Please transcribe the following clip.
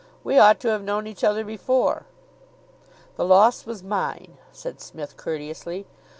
"We ought to have known each other before." "The loss was mine," said Psmith courteously.